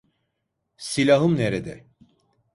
Silahım nerede?